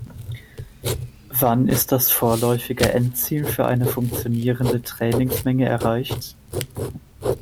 Wann ist dann das vorläufige Endziel für eine funktionierende Trainingsmenge erreicht?